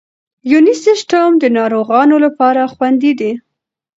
یوني سیسټم د ناروغانو لپاره خوندي دی.